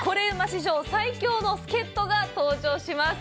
史上最強の助っ人が登場します。